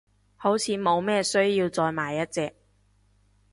好似冇咩需要再買一隻，